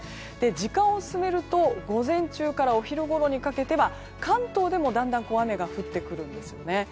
時間を進めると午前中からお昼ごろにかけては関東でもだんだん雨が降ってくるんですね。